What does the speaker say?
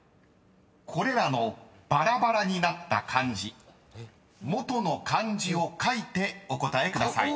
［これらのばらばらになった漢字元の漢字を書いてお答えください］